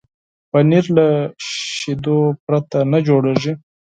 پنېر له شيدو پرته نه جوړېږي.